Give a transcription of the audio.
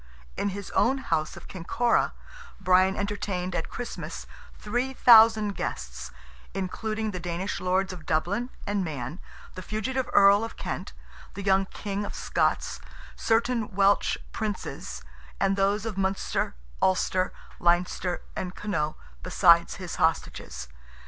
In his own house of Kinkora, Brian entertained at Christmas 3,000 guests, including the Danish Lords of Dublin and Man, the fugitive Earl of Kent, the young King of Scots, certain Welsh Princes, and those of Munster, Ulster, Leinster and Connaught, beside his hostages.